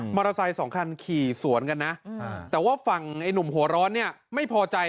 มอเตอร์ไซค์สองคันขี่สวนกันนะแต่ว่าฟังไอหนุ่มหัวร้อนเนี่ยไม่พอใจ